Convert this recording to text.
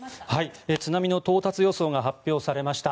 津波の到達予想が発表されました。